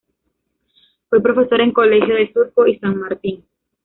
Fue profesor en colegios de Surco y San Martín.